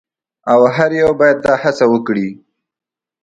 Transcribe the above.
او هر یو باید دا هڅه وکړي.